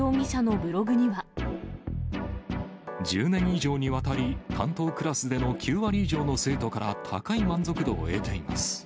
１０年以上にわたり、担当クラスでの９割以上の生徒から高い満足度を得ています。